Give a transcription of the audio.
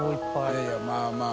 いやいやまぁまぁ。